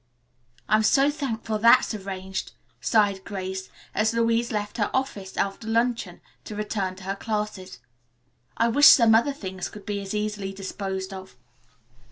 "I'm so thankful that's arranged," sighed Grace as Louise left her office after luncheon to return to her classes. "I wish some other things could be as easily disposed of."